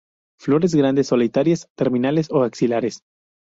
Flores grandes, solitarias, terminales o axiales.